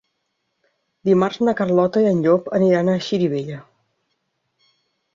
Dimarts na Carlota i en Llop aniran a Xirivella.